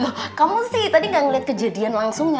loh kamu sih tadi gak ngeliat kejadian langsungnya